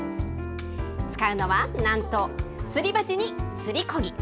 使うのはなんと、すり鉢にすりこぎ。